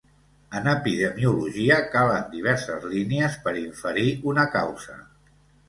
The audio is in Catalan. En epidemiologia, calen diverses línies per inferir una causa.